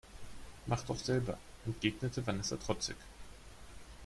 Mach doch selber, entgegnete Vanessa trotzig.